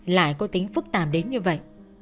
lại có tính phức tạm đến như vậy